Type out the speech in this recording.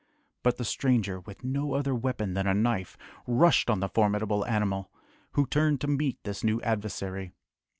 But the stranger, with no other weapon than a knife, rushed on the formidable animal, who turned to meet this new adversary.